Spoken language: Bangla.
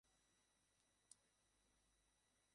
তোমার সাথে আমি সেখানে দেখা করছি।